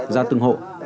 ra từng hộ